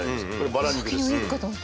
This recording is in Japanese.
バラ肉です。